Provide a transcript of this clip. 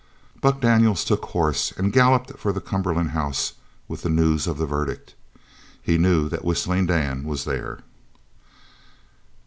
Buck Daniels took horse and galloped for the Cumberland house with the news of the verdict. He knew that Whistling Dan was there.